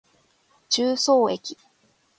十三駅